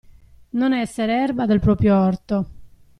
Non essere erba del proprio orto.